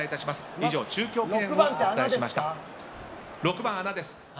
以上、中京記念をお伝えしました。